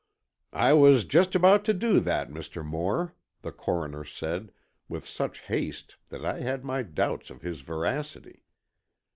"I was just about to do that, Mr. Moore," the Coroner said, with such haste that I had my doubts of his veracity.